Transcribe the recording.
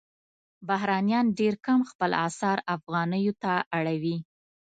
بهرنیان ډېر کم خپل اسعار افغانیو ته اړوي.